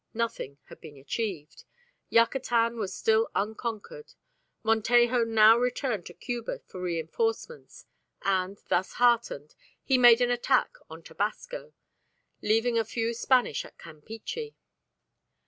Nothing had been achieved: Yucatan was still unconquered. Montejo now returned to Cuba for reinforcements, and, thus heartened, he made an attack on Tabasco, leaving a few Spanish at Campeachy.